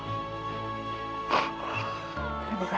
amin ya allah